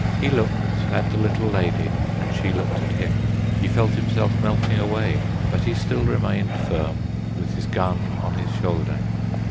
He looked at the little lady, and she looked at him. He felt himself melting away, but he still remained firm with his gun on his shoulder.